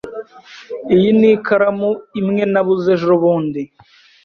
Iyi ni ikaramu imwe nabuze ejobundi.